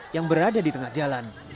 yang berada di tengah jalan